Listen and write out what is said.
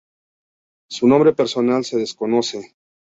Su nombre personal se desconoce.